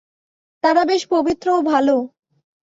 তাঁরা বেশ পবিত্র ও ভাল।